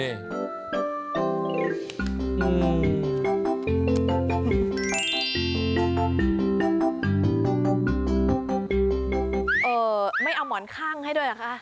เออไม่เอาหมอนข้างให้ด้วยเหรอคะ